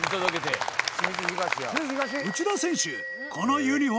内田選手